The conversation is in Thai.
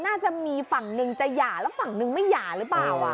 น่าจะมีฝั่งหนึ่งจะหย่าแล้วฝั่งนึงไม่หย่าหรือเปล่า